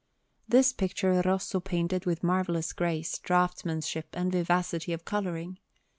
This picture Rosso painted with marvellous grace, draughtsmanship, and vivacity of colouring.